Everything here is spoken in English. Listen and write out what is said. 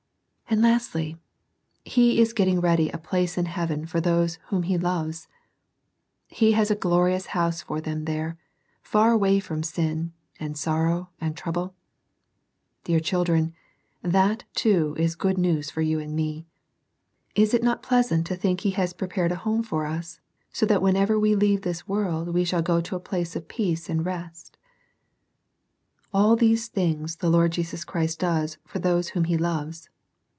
And lastly, He is getting ready a place in heaven for those whom He loves. He has a glorious house for them there, far away from sin, and sorrow, and trouble. Dear children, that, too, is good news for you and me. Is it not pleasant to think He has prepared a home for us, so that whenever we leave this world we shall go to a place of peace and rest All these things the Lord Jesus Christ does for those whom He loves.